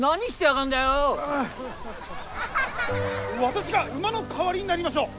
「私が馬の代わりになりましょう！」。